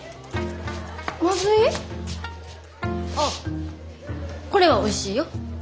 あっこれはおいしいよ。